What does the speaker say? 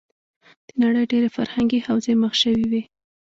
د نړۍ ډېری فرهنګې حوزې مخ شوې وې.